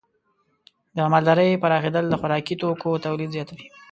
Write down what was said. د مالدارۍ پراخېدل د خوراکي توکو تولید زیاتوي.